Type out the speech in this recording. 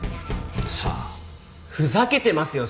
さあふざけてますよ